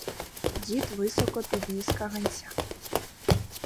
Дід високо підніс каганця.